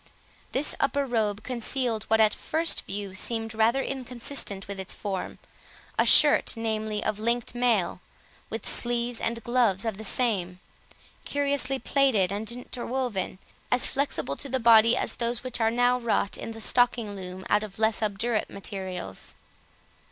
This upper robe concealed what at first view seemed rather inconsistent with its form, a shirt, namely, of linked mail, with sleeves and gloves of the same, curiously plaited and interwoven, as flexible to the body as those which are now wrought in the stocking loom, out of less obdurate materials.